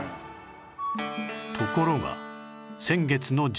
ところが先月の１６日